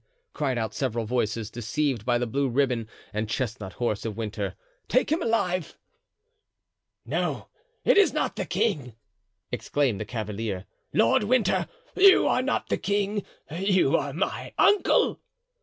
cried out several voices, deceived by the blue ribbon and chestnut horse of Winter; "take him alive." "No! it is not the king!" exclaimed the cavalier. "Lord Winter, you are not the king; you are my uncle."